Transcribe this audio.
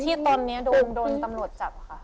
ที่ตอนนี้โดนตำรวจจับค่ะ